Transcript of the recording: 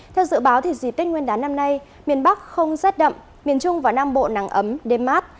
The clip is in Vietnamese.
theo dự báo dịp tết nguyên đán năm nay miền bắc không rét đậm miền trung và nam bộ nắng ấm đêm mát